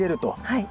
はい。